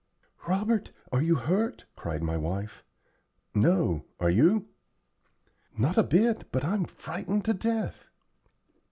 "Robert, are you hurt?" cried my wife. "No, are you?" "Not a bit, but I'm frightened to death."